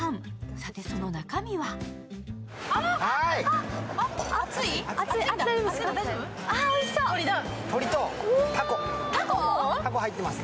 さてその中身は鶏とたこ入ってます。